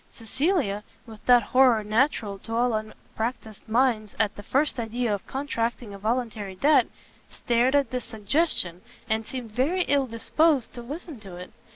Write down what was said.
Cecilia, with that horror natural to all unpractised minds at the first idea of contracting a voluntary debt, started at this suggestion, and seemed very ill disposed to listen to it.